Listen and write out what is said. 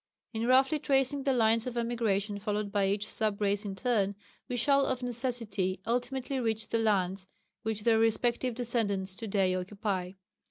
In roughly tracing the lines of emigration followed by each sub race in turn, we shall of necessity ultimately reach the lands which their respective descendants to day occupy.